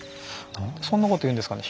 何でそんなこと言うんですかね